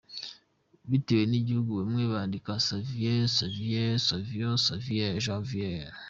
Bitewe n’igihugu, bamwe bandika Xavier, Zavier, Xavior, Javier.